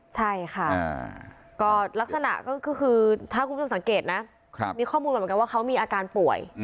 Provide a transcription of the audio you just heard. ใช่ค่ะก็ลักษณะก็คือถ้าคุณผู้ชมสังเกตนะมีข้อมูลมาเหมือนกันว่าเขามีอาการป่วย